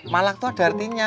malak tuh ada artinya